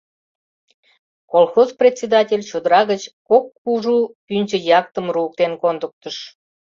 Колхоз председатель чодыра гыч кок кужу пӱнчӧ яктым руыктен кондыктыш.